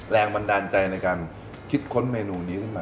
แรงบันดาลใจในการคิดค้นเมนูนี้ขึ้นมา